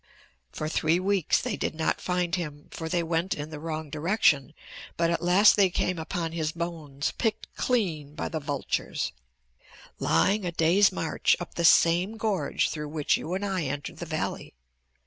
"For three weeks they did not find him, for they went in the wrong direction, but at last they came upon his bones picked clean by the vultures, lying a day's march up the same gorge through which you and I entered the valley.